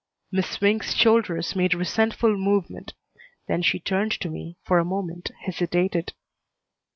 Miss Swink's shoulders made resentful movement; then she turned to me, for a moment hesitated.